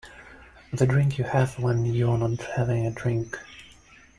The drink you have when you're not having a drink.